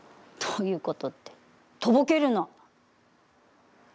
どういうことってとぼけるな。